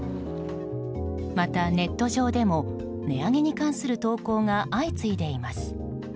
またネット上でも値上げに関する投稿が相次いでいます。